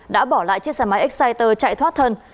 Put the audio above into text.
đã bỏ lại chiếc xe máy exciter chạy thoát thân